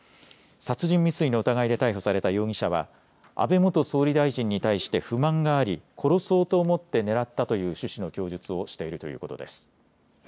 殺人未遂の疑いで逮捕された容疑者は安倍元総理大臣に対して不満があり、殺そうと思って狙ったという趣旨の供述をしているということです。